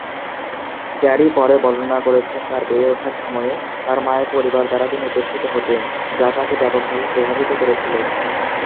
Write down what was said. Carry পরে বর্ণনা করেছেন তার বেড়ে ওঠার সময়ে তার মায়ের পরিবার দ্বারা তিনি উপেক্ষিত হতেন, যা তাকে ব্যাপকভাবে প্রভাবিত করেছিল।